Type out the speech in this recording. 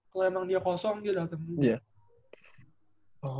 kalau emang dia kosong dia datang juga